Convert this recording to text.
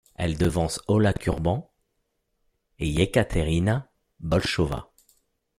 Elle devance Olga Kurban et Yekaterina Bolshova.